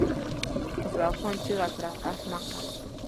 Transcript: خسرو خان چيغه کړه! احمقه!